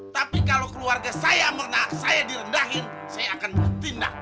tapi kalau keluarga saya direndahin saya akan bertindak